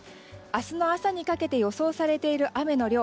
明日の朝にかけて予想されている雨の量